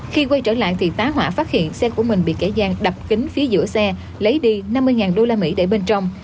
khi quay trở lại thì tá hỏa phát hiện xe của mình bị kẻ gian đập kính phía giữa xe lấy đi năm mươi usd để bên trong